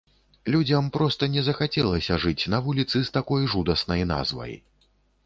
Людзям проста не захацелася жыць на вуліцы з такой жудаснай назвай.